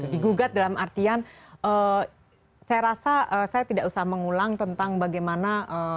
digugat dalam artian saya rasa saya tidak usah mengulang tentang bagaimana